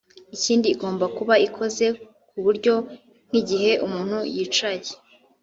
Ikindi igomba kuba ikoze ku buryo nk’igihe umuntu yicaye